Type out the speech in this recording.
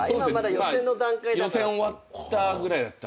予選終わったぐらいだったんで。